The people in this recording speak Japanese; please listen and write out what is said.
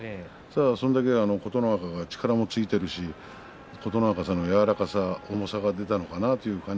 それだけ琴ノ若が力もついているし琴ノ若の柔らかさ、重さが出たのかな